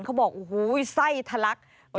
เขาบอกโอ้โหไส้ทะลัก